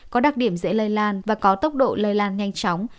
có đặc điểm dễ lây lan và có tốc độ lây lan nhanh chóng